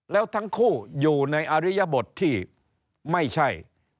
แล้วทั้งคู่อยู่ในอริยบทที่ไม่ใช่